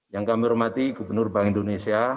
yang kami hormati gubernur bank indonesia